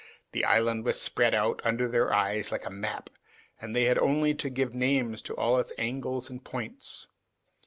The island was spread out under their eyes like a map, and they had only to give names to all its angles and points.